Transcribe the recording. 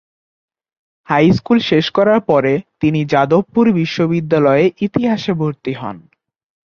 High school শেষ করার পরে তিনি যাদবপুর বিশ্ববিদ্যালয়ে ইতিহাসে ভর্তি হন।